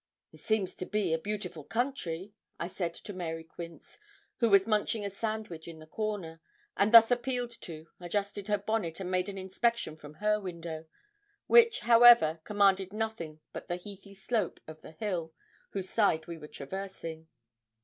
'It seems to be a beautiful country,' I said to Mary Quince, who was munching a sandwich in the corner, and thus appealed to, adjusted her bonnet, and made an inspection from her window, which, however, commanded nothing but the heathy slope of the hill whose side we were traversing.